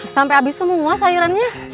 sampai habis semua sayurannya